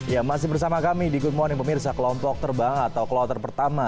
ya masih bersama kami di good morning pemirsa kelompok terbang atau kloter pertama